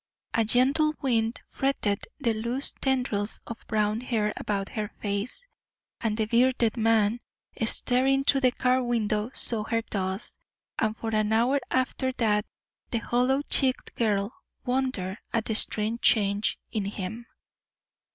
A gentle wind fretted the loose tendrils of brown hair about her face. And the bearded man, staring through the car window, saw her thus, and for an hour after that the hollow cheeked girl wondered at the strange change in him.